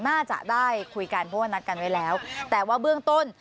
น่าจะได้คุยกันเพราะว่านัดกันไว้แล้วแต่ว่าเบื้องต้น